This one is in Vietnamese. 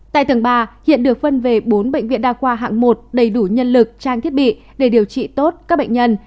tại tầng ba hiện được phân về bốn bệnh viện đa khoa hạng một đầy đủ nhân lực trang thiết bị để điều trị tốt các bệnh nhân